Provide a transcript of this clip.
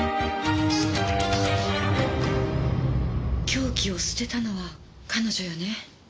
凶器を捨てたのは彼女よね。